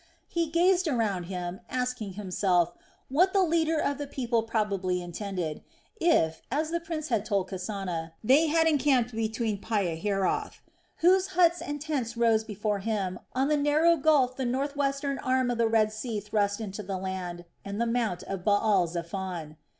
He gazed around him asking himself what the leader of the people probably intended, if as the prince had told Kasana they had encamped between Pihahiroth whose huts and tents rose before him on the narrow gulf the northwestern arm of the Red Sea thrust into the land and the mount of Baal zephon.